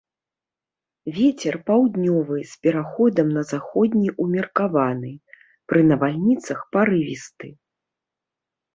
Вецер паўднёвы з пераходам на заходні, умеркаваны, пры навальніцах парывісты.